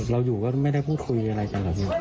เราอยู่ก็ไม่ได้พูดคุยอะไรกันหรอกพี่